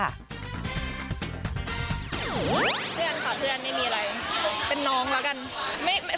เพื่อนค่ะเพื่อนไม่มีอะไรเป็นน้องแล้วกัน